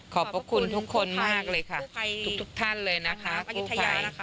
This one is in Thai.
ขอบพระคุณทุกคนมากเลยค่ะทุกท่านเลยนะคะ